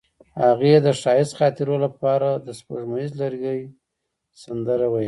هغې د ښایسته خاطرو لپاره د سپوږمیز لرګی سندره ویله.